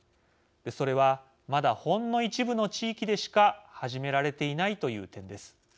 それはまだ、ほんの一部の地域でしか始められていないという点です。